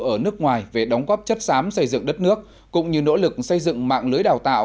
ở nước ngoài về đóng góp chất xám xây dựng đất nước cũng như nỗ lực xây dựng mạng lưới đào tạo